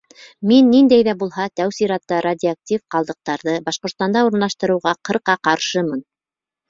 Мин ниндәй ҙә булһа, тәү сиратта радиоактив ҡалдыҡтарҙы, Башҡортостанда урынлаштырыуға ҡырҡа ҡаршымын.